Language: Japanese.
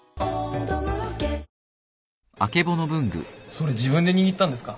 それ自分でにぎったんですか？